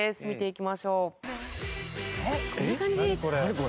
見ていきましょう。